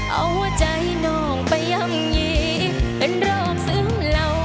เอาหัวใจน้องไปย่ำยีเป็นโรคซึ้งเหล่า